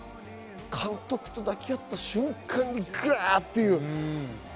監督と抱き合った瞬間にグッという。